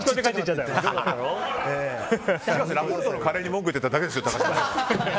カレーに文句言ってただけですよ。